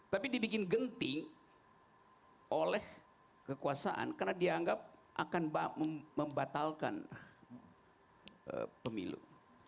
tapi dibikin genting oleh kekuasaan karena dianggap akan membatalkan pemilu